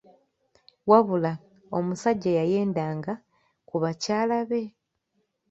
"Wabula, omusajja yayendanga ku bakyala be!"